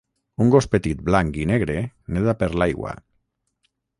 Un gos petit blanc i negre neda per l'aigua.